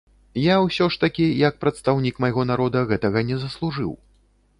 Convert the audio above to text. Я ўсё ж такі, як прадстаўнік майго народа, гэтага не заслужыў.